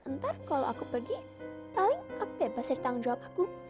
ntar kalau aku pergi paling aku bebas dari tanggung jawab aku